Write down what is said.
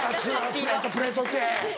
プレートプレートって。